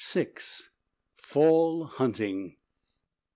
FALL HUNTING.